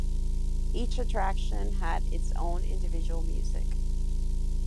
Each attraction had its own individual music.